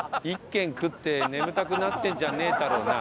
１軒食って眠たくなってんじゃねえだろうな？